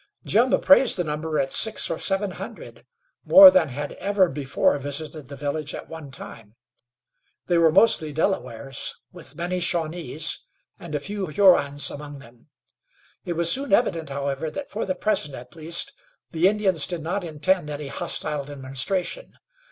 Jim appraised the number at six or seven hundred, more than had ever before visited the village at one time. They were mostly Delawares, with many Shawnees, and a few Hurons among them. It was soon evident, however, that for the present, at least, the Indians did not intend any hostile demonstration.